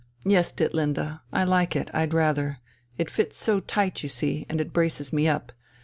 "Yes, Ditlinde, I like it, I'd rather. It fits so tight, you see, and it braces me up.